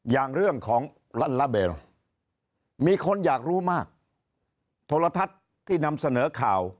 อย่างเรื่องของลัลลาเบลมีคนอยากรู้มากโทรทัศน์ที่นำเสนอข่าว